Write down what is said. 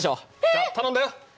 じゃあ頼んだよ。